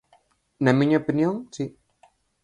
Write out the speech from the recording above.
Na miña opinión, si.